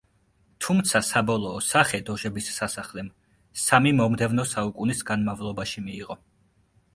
თუმცა საბოლოო სახე დოჟების სასახლემ სამი მომდევნო საუკუნის განმავლობაში მიიღო.